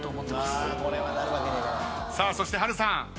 さあそして波瑠さん。